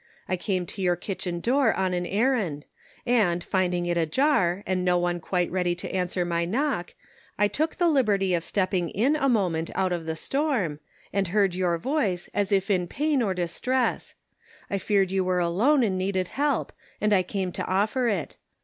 I came to your kitchen door on an errand, and, finding it ajar and no one quite ready to answer my knock, I took the liberty of stepping in a moment out of the storm, and heard your voice as if in pain or distress ; I feared you were alone and needed help, and I came to offer it.